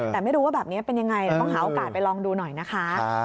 แต่ไม่รู้ว่าแบบนี้เป็นยังไงต้องหาโอกาสไปลองดูหน่อยนะคะ